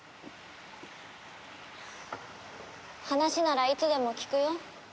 話ならいつでも聞くよ。